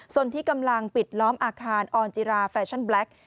ส่วนที่กำลังปิดล้อมอาคารออนจิราแฟชั่นแบล็ค